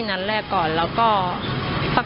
๗๘นัดที่ได้ยินนะคะ